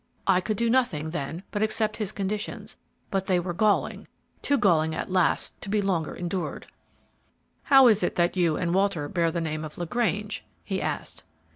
I could do nothing then but accept his conditions, but they were galling, too galling at last to be longer endured!" "How is it that you and Walter bear the name of LaGrange?" he asked.